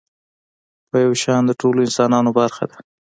په يو شان د ټولو انسانانو برخه ده.